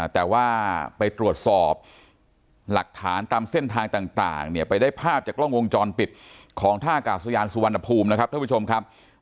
แต่ว่าไปตรวจสอบหลักฐานตามเส้นทางต่างเนี่ยไปได้ภาพจากกล้องวงจรปิดของท่ากาศยานสุวรรณภูมินะครับท่านผู้ชมครับ